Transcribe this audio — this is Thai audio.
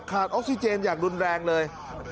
ออกซิเจนอย่างรุนแรงเลย